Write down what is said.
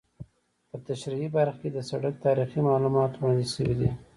په تشریحي برخه کې د سرک تاریخي معلومات وړاندې شوي دي